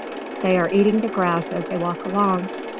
They are eating the grass as they walk along.